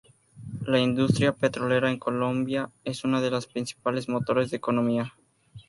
La industria petrolera en Colombia es uno de los principales motores de la economía.